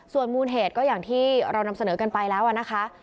ส่วนมูลเหตุก็อย่างที่เรานำเสนอกันไปแล้วนะคะ